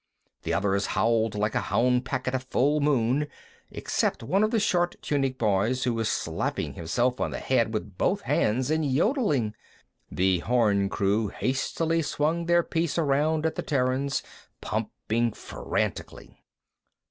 The others howled like a hound pack at a full moon, except one of the short tunic boys, who was slapping himself on the head with both hands and yodeling. The horn crew hastily swung their piece around at the Terrans, pumping frantically.